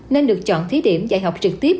nên được chọn thí điểm dạy học trực tiếp